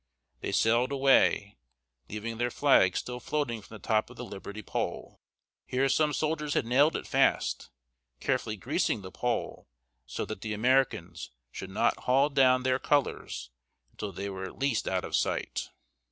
They sailed away, leaving their flag still floating from the top of the liberty pole. Here some soldiers had nailed it fast, carefully greasing the pole so that the Americans should not haul down their colors until they were at least out of sight.